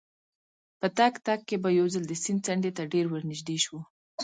په تګ تګ کې به یو ځل د سیند څنډې ته ډېر ورنژدې شوو.